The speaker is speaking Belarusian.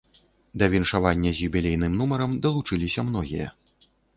Да віншавання з юбілейным нумарам далучыліся многія.